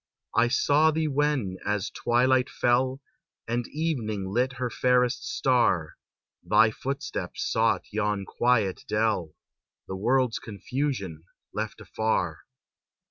I saw thee when, as twilight fell, And evening lit her fairest star, Thy footsteps sought yon quiet dell, The world's confusion left afar.